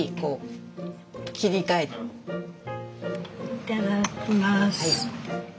いただきます。